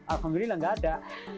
alhamdulillah nggak ada